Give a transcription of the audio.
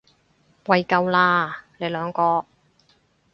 喂夠喇，你兩個！